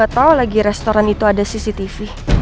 saya tidak tahu lagi restoran itu ada cctv